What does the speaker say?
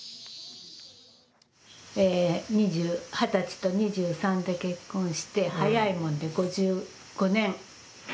ええ、二十歳と２３で結婚して早いもんで５５年。